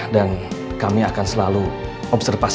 dan kami akan selalu observasi dia